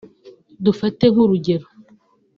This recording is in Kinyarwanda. Dufate nk’urugero